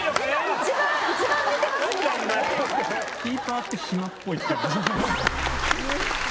キーパーって暇っぽいっていう。